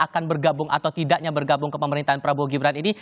akan bergabung atau tidaknya bergabung ke pemerintahan prabowo gibran ini